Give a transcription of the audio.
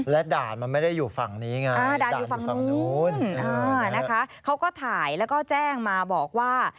และด่านมันไม่ได้อยู่ฝั่งนี้ไงด่านอยู่ฝั่งนู้นนะคะเขาก็ถ่ายแล้วก็แจ้งมาบอกว่า